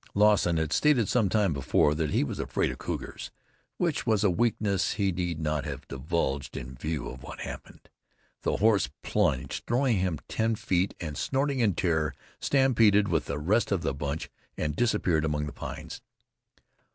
Lawson had stated some time before that he was afraid of cougars, which was a weakness he need not have divulged in view of what happened. The horse plunged, throwing him ten feet, and snorting in terror, stampeded with the rest of the bunch and disappeared among the pines.